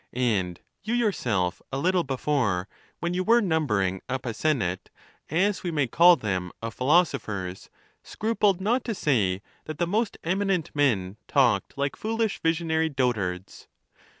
And you yourself a little before, when you were numbering up a senate, as we may call them, of philosophers, scrupled not to say that the most eminent men talked like foolish, visionary dotards.